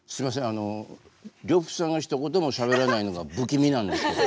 あの呂布さんがひと言もしゃべらないのが不気味なんですけど。